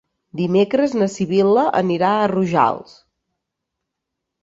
Dimecres na Sibil·la anirà a Rojals.